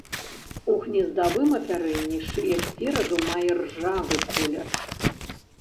У гнездавым апярэнні шыя спераду мае ржавы колер.